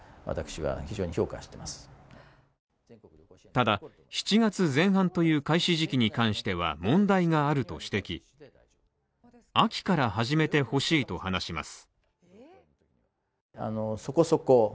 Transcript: ただ７月前半という開始時期に関しては問題があると指摘秋から始めてほしいと話します。